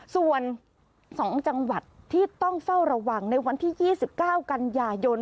ส่วน๒จังหวัดที่ต้องเฝ้าระวังในวันที่๒๙กันยายน